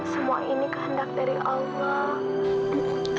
semua ini kehendak dari allah